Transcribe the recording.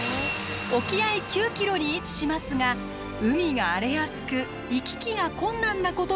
沖合９キロに位置しますが海が荒れやすく行き来が困難なことも多い島です。